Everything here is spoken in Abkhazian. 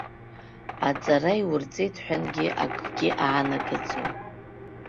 Аҵара иурҵеит ҳәангьы акгьы аанагаӡом.